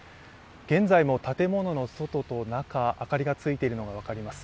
現在も建物の外と中、明かりが付いているのが分かります。